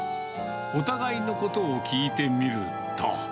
お互いのことを聞いてみると。